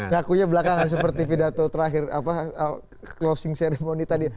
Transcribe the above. ngakunya belakangan seperti pidato terakhir closing ceremony tadi